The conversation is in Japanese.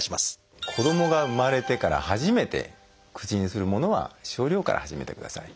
子どもが生まれてから初めて口にするものは少量から始めてください。